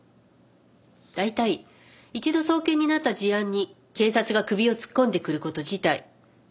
大体一度送検になった事案に警察が首を突っ込んでくる事自体ちょっとびっくりなんだけど。